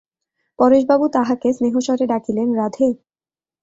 পরেশবাবু তাহাকে স্নেহস্বরে ডাকিলেন, রাধে!